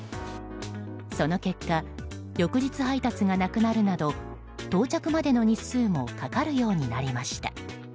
その結果翌日配達がなくなるなど到着までの日数もかかるようになりました。